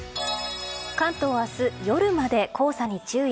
関東明日、夜まで黄砂に注意。